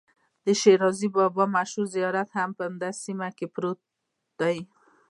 د شیرازي بابا مشهور زیارت هم په همدې سیمه کې پروت دی.